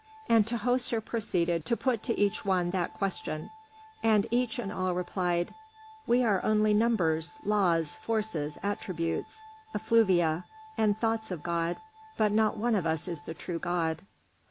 And Tahoser proceeded to put to each one that question, and each and all replied: "We are only numbers, laws, forces, attributes, effluvia, and thoughts of God, but not one of us is the true God."